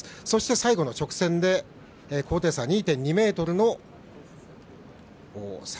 最後の直線で高低差２．２ｍの坂